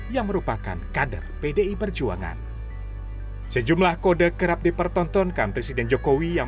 yang merupakan kader pdi perjuangan sejumlah kode kerap dipertontonkan presiden jokowi yang